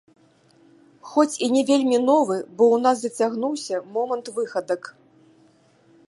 Хоць і не вельмі новы, бо ў нас зацягнуўся момант выхадак.